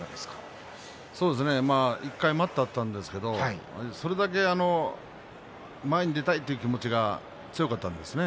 １回、待ったはあったんですがそれだけ前に出たいという気持ちが強かったんですね